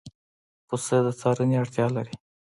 پسه د څارنې اړتیا لري.